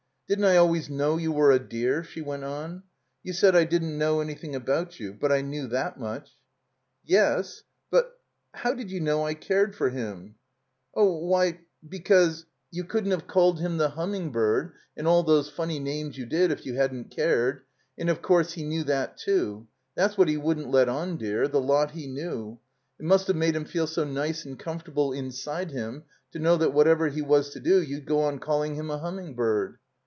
"Didn't I always know you were a dear?" she went on. "You said I didn't know anjrthing about you. But I knew that much." Yes — ^but — ^how did you know I cared for him?" Oh, why — ^because — ^you couldn't have called 344 it THE COMBINED MAZE him the Humming bird and all those funny names you did if you hadn't cared. And, of course, he knew that too. That's what he wouldn't let on, dear — ^the lot he knew. It must have made him feel so nice and comfortable inside him to know that whatever he was to do you'd go on calling him a Humming bird."